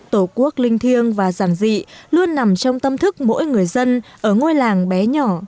tổ quốc linh thiêng và giản dị luôn nằm trong tâm thức mỗi người dân ở ngôi làng bé nhỏ